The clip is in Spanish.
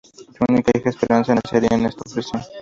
Su única hija, Esperanza, nacería en esta prisión.